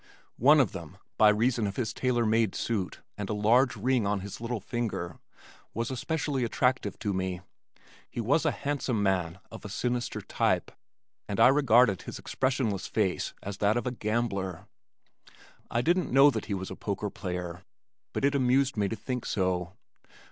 One of them by reason of his tailor made suit and a large ring on his little finger, was especially attractive to me. He was a handsome man of a sinister type, and I regarded his expressionless face as that of a gambler. I didn't know that he was a poker player but it amused me to think so.